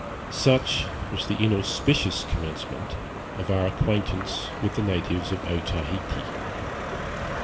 Such was the inauspicious commencement of our acquaintance with the natives of Otaheite.